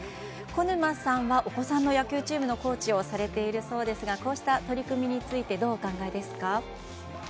小沼さんはお子さんの野球チームのコーチをされているそうですがこうした取り組みについてどうお考えですか？